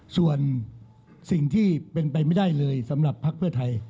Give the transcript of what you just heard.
ส่วนสิ่งที่เป็นไปไม่ได้เลยสำหรับภักดิ์เพื่อไทย